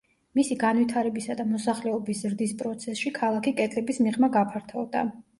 მისი განვითარებისა და მოსახლეობის ზრდის პროცესში ქალაქი კედლების მიღმა გაფართოვდა.